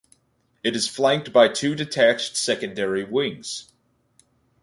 It is flanked by two detached secondary wings.